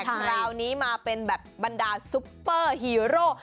คราวนี้มาเป็นแบบบรรดาซุปเปอร์ฮีโร่